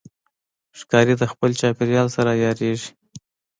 ښکاري د خپل چاپېریال سره عیارېږي.